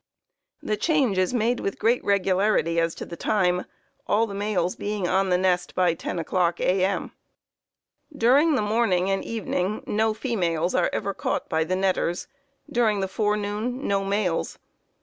The change is made with great regularity as to time, all the males being on the nest by 10 o'clock A.M. "During the morning and evening no females are ever caught by the netters; during the forenoon no males.